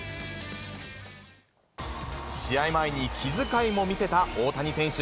試合前に気遣いも見せた大谷選手。